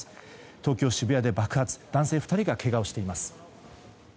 東京・渋谷で爆発男性２人がけがをしています。